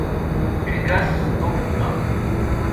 ژِگس لُوم تہ